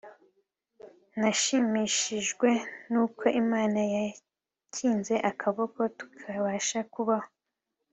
Nashimishijwe nuko Imana yakinze akaboko tukabasha kubaho